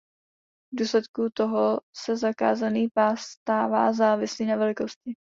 V důsledku toho se zakázaný pás stává závislý na velikosti.